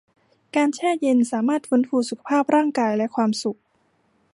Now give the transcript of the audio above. การแช่เย็นสามารถฟื้นฟูสุขภาพร่างกายและความสุข